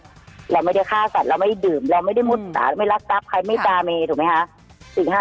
เราไม่ได้ฆ่าสัตว์เราไม่ได้ดื่มเราไม่ได้มุตสาเราไม่ได้รักตั๊บใครไม่ตาเมถูกไหมคะ